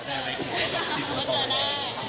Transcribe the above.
จีบตัวตัว